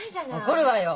怒るわよ！